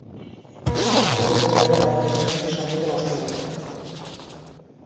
যদি ওকে ছেড়ে দেন, আমাদের দেশের শান্তি-সম্প্রীতি নষ্ট হয়ে যাবে।